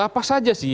apa saja sih